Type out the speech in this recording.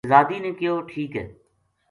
شہزادی نے کہیو ٹھیک ہے "